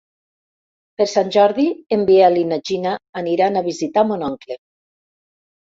Per Sant Jordi en Biel i na Gina aniran a visitar mon oncle.